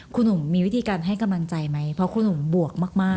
คุณหนุ่มมีวิธีการให้กำลังใจไหมเพราะคุณหนุ่มบวกมาก